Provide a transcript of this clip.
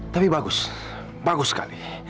tapi bagus bagus sekali